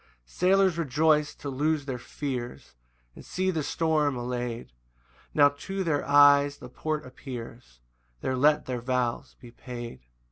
6 Sailors rejoice to lose their fears, And see the storm allay'd: Now to their eyes the port appears; There let their vows be paid.